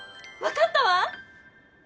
わかったわ！